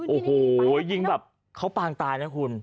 โอ้โหยิงแบบเขาปางตายนะคุณ